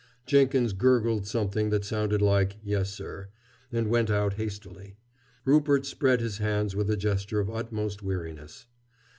Jenkins gurgled something that sounded like "Yes, sir," and went out hastily. Rupert spread his hands with a gesture of utmost weariness.